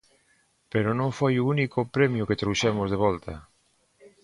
Pero non foi o único premio que trouxemos de volta.